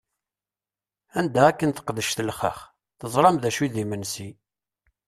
Anda akken teqdec telxex, teẓṛam dacu i d-imensi!